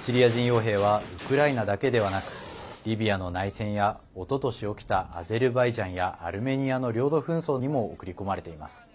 シリア人よう兵はウクライナだけではなくリビアの内戦や、おととし起きたアゼルバイジャンやアルメニアの領土紛争にも送り込まれています。